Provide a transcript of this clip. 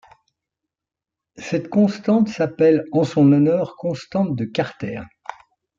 Cette constante s'appelle en son honneur constante de Carter.